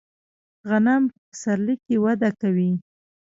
غنم په پسرلي کې وده کوي.